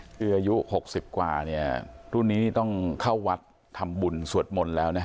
คืออายุ๖๐กว่าเนี่ยรุ่นนี้ต้องเข้าวัดทำบุญสวดมนต์แล้วนะ